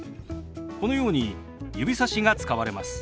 このように指さしが使われます。